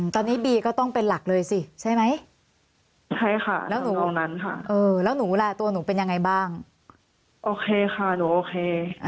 ตอนนี้บีก็ต้องเป็นหลักเลยสิใช่ไหมใช่ค่ะแล้วหนูล่ะตัวหนูเป็นยังไงบ้างโอเคค่ะหนูโอเค